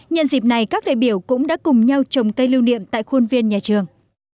nhân dịp này các đại biểu cũng đã cùng nhau trồng cây lưu niệm tại khuôn viên nhà trường